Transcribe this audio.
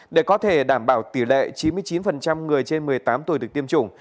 để có thể đảm bảo tỷ lệ chín mươi chín người trên một mươi tám tuổi được tiêm chủng